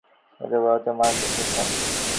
চাইলে গুহাতেই মরতে পারো, জেসন।